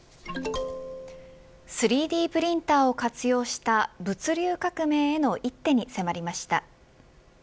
３Ｄプリンターを活用した物流革命への一手に迫りました。